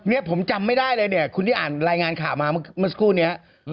เนี่ยผมจำไม่ได้เลยเนี่ยคุณที่อ่านรายงานข่าวมาเมื่อสักครู่นี้